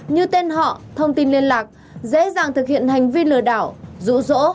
như tên họ thông tin liên lạc dễ dàng thực hiện hành vi lừa đảo rũ rỗ